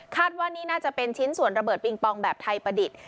ว่านี่น่าจะเป็นชิ้นส่วนระเบิดปิงปองแบบไทยประดิษฐ์